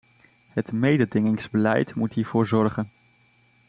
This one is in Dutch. Het mededingingsbeleid moet hiervoor zorgen.